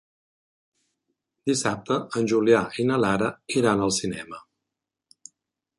Dissabte en Julià i na Lara iran al cinema.